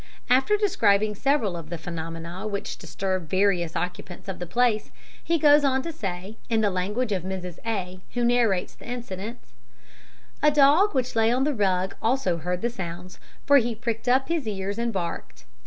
After describing several of the phenomena which disturbed various occupants of the place, he goes on to say, in the language of Mrs. A., who narrates the incident: "A dog which lay on the rug also heard the sounds, for he pricked up his ears and barked.